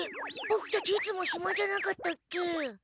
ボクたちいつもひまじゃなかったっけ？